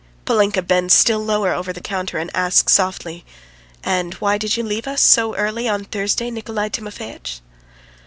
Polinka bends still lower over the counter and asks softly: "And why did you leave us so early on Thursday, Nikolay Timofeitch?"